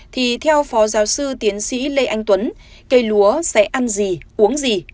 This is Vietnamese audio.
thì theo phó giáo sư tiến sĩ lê anh tuấn cây lúa sẽ ăn gì uống gì